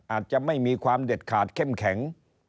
อาจจะไม่มีความเด็ดขาดเข้มแข็ง